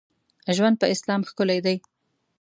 ژوند په اسلام ښکلی دی.